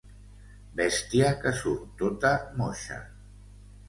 Bèstia que surt tota moixa.